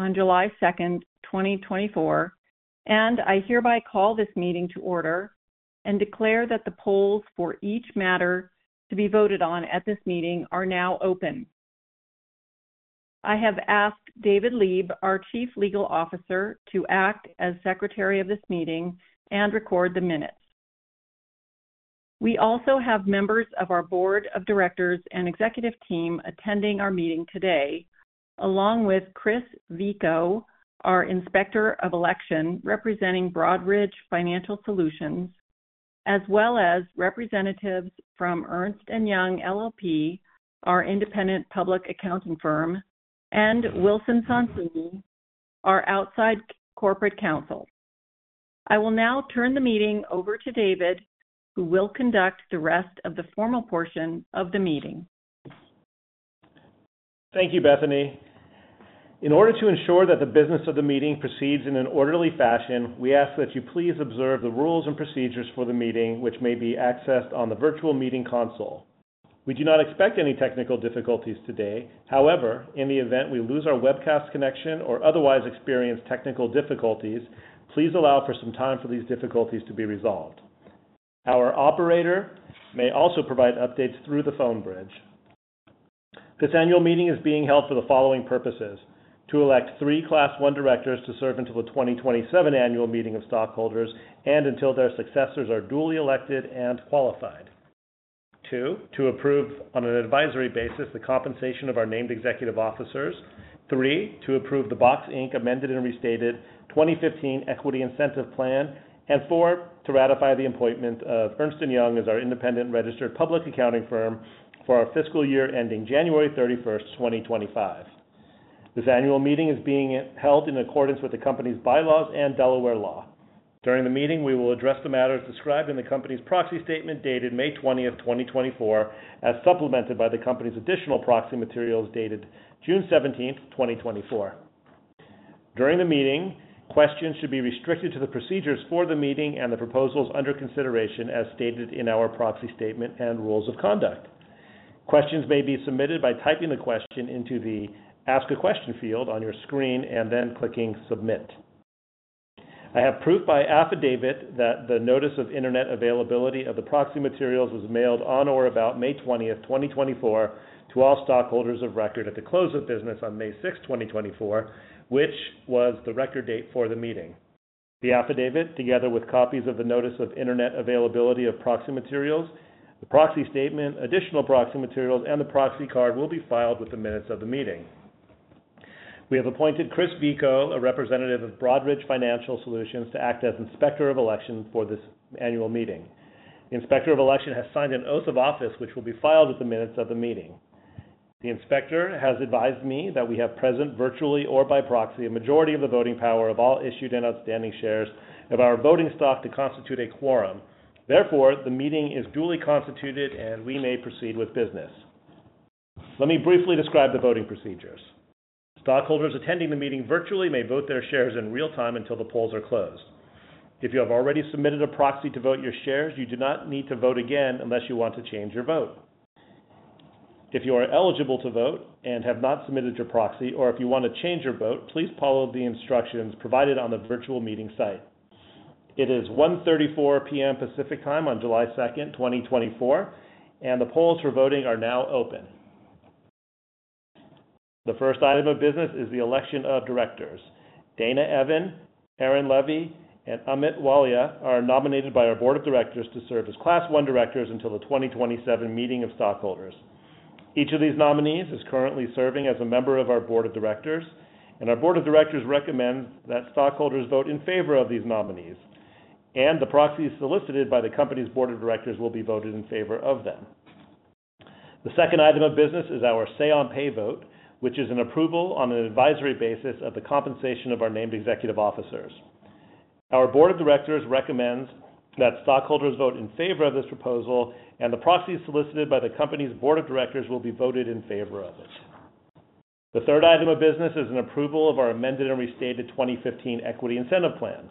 On July 2nd, 2024, and I hereby call this meeting to order and declare that the polls for each matter to be voted on at this meeting are now open. I have asked David Leeb, our Chief Legal Officer, to act as Secretary of this meeting and record the minutes. We also have members of our Board of Directors and Executive Team attending our meeting today, along with Chris Vico, our Inspector of Election representing Broadridge Financial Solutions, as well as representatives from Ernst & Young LLP, our independent public accounting firm, and Wilson Sonsini, our outside corporate counsel. I will now turn the meeting over to David, who will conduct the rest of the formal portion of the meeting. Thank you, Bethany. In order to ensure that the business of the meeting proceeds in an orderly fashion, we ask that you please observe the rules and procedures for the meeting, which may be accessed on the virtual meeting console. We do not expect any technical difficulties today. However, in the event we lose our webcast connection or otherwise experience technical difficulties, please allow for some time for these difficulties to be resolved. Our operator may also provide updates through the phone bridge. This annual meeting is being held for the following purposes: to elect three Class I Directors to serve until the 2027 annual meeting of stockholders and until their successors are duly elected and qualified. Two, to approve on an advisory basis the compensation of our named executive officers. Three, to approve the Box, Inc. amended and restated 2015 Equity Incentive Plan. And four, to ratify the appointment of Ernst & Young as our independent registered public accounting firm for our fiscal year ending January 31st, 2025. This annual meeting is being held in accordance with the company's bylaws and Delaware law. During the meeting, we will address the matters described in the company's proxy statement dated May 20th, 2024, as supplemented by the company's additional proxy materials dated June 17th, 2024. During the meeting, questions should be restricted to the procedures for the meeting and the proposals under consideration, as stated in our proxy statement and rules of conduct. Questions may be submitted by typing the question into the Ask a Question field on your screen and then clicking Submit. I have proof by affidavit that the notice of internet availability of the proxy materials was mailed on or about May 20th, 2024, to all stockholders of record at the close of business on May 6th, 2024, which was the record date for the meeting. The affidavit, together with copies of the notice of internet availability of proxy materials, the proxy statement, additional proxy materials, and the proxy card will be filed with the minutes of the meeting. We have appointed Chris Vico, a representative of Broadridge Financial Solutions, to act as Inspector of Election for this annual meeting. The Inspector of Election has signed an oath of office, which will be filed with the minutes of the meeting. The Inspector has advised me that we have present virtually or by proxy a majority of the voting power of all issued and outstanding shares of our voting stock to constitute a quorum. Therefore, the meeting is duly constituted, and we may proceed with business. Let me briefly describe the voting procedures. Stockholders attending the meeting virtually may vote their shares in real time until the polls are closed. If you have already submitted a proxy to vote your shares, you do not need to vote again unless you want to change your vote. If you are eligible to vote and have not submitted your proxy, or if you want to change your vote, please follow the instructions provided on the virtual meeting site. It is 1:34 P.M. Pacific Time on July 2nd, 2024, and the polls for voting are now open. The first item of business is the election of directors. Dana Evan, Aaron Levie, and Amit Walia are nominated by our Board of Directors to serve as Class I Directors until the 2027 meeting of stockholders. Each of these nominees is currently serving as a member of our Board of Directors, and our Board of Directors recommends that stockholders vote in favor of these nominees, and the proxies solicited by the company's Board of Directors will be voted in favor of them. The second item of business is our say-on-pay vote, which is an approval on an advisory basis of the compensation of our named executive officers. Our Board of Directors recommends that stockholders vote in favor of this proposal, and the proxies solicited by the company's Board of Directors will be voted in favor of it. The third item of business is an approval of our Amended and Restated 2015 Equity Incentive Plan.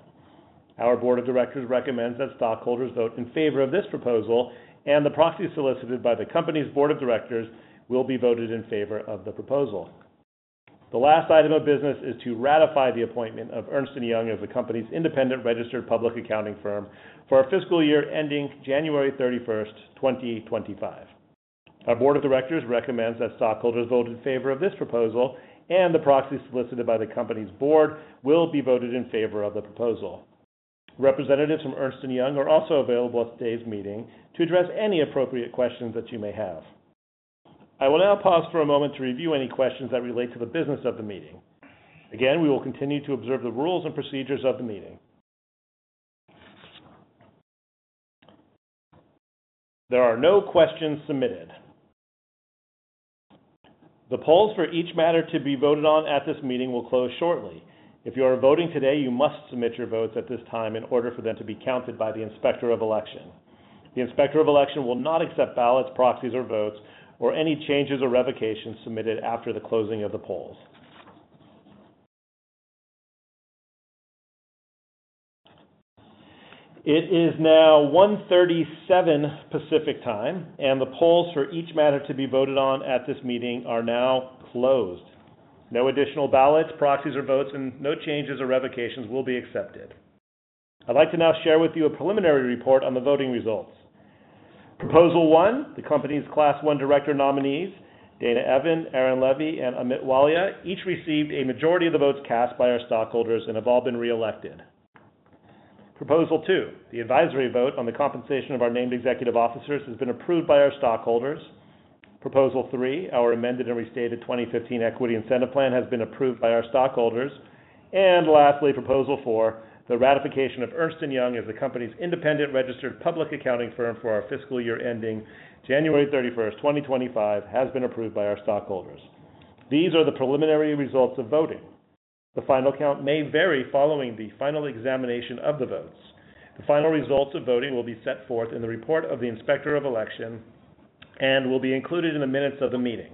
Our Board of Directors recommends that stockholders vote in favor of this proposal, and the proxies solicited by the company's Board of Directors will be voted in favor of the proposal. The last item of business is to ratify the appointment of Ernst & Young as the company's independent registered public accounting firm for our fiscal year ending January 31st, 2025. Our Board of Directors recommends that stockholders vote in favor of this proposal, and the proxies solicited by the company's Board will be voted in favor of the proposal. Representatives from Ernst & Young are also available at today's meeting to address any appropriate questions that you may have. I will now pause for a moment to review any questions that relate to the business of the meeting. Again, we will continue to observe the rules and procedures of the meeting. There are no questions submitted. The polls for each matter to be voted on at this meeting will close shortly. If you are voting today, you must submit your votes at this time in order for them to be counted by the Inspector of Election. The Inspector of Election will not accept ballots, proxies, or votes, or any changes or revocations submitted after the closing of the polls. It is now 1:37 Pacific Time, and the polls for each matter to be voted on at this meeting are now closed. No additional ballots, proxies, or votes, and no changes or revocations will be accepted. I'd like to now share with you a preliminary report on the voting results. Proposal One, the company's Class I Director nominees, Dana Evan, Aaron Levie, and Amit Walia, each received a majority of the votes cast by our stockholders and have all been reelected. Proposal Two, the advisory vote on the compensation of our named executive officers has been approved by our stockholders. Proposal Three, our Amended and Restated 2015 Equity Incentive Plan has been approved by our stockholders. And lastly, Proposal Four, the ratification of Ernst & Young as the company's independent registered public accounting firm for our fiscal year ending January 31st, 2025, has been approved by our stockholders. These are the preliminary results of voting. The final count may vary following the final examination of the votes. The final results of voting will be set forth in the report of the Inspector of Election and will be included in the minutes of the meeting.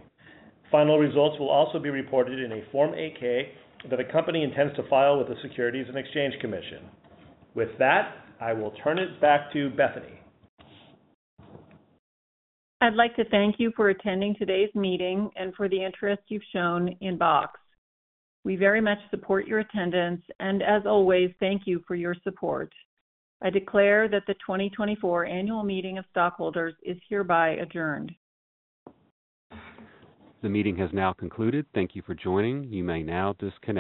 Final results will also be reported in a Form 8-K that a company intends to file with the Securities and Exchange Commission. With that, I will turn it back to Bethany. I'd like to thank you for attending today's meeting and for the interest you've shown in Box. We very much support your attendance, and as always, thank you for your support. I declare that the 2024 annual meeting of stockholders is hereby adjourned. The meeting has now concluded. Thank you for joining. You may now disconnect.